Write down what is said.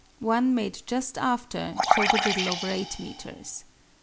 One made just after showed a little over 8 meters.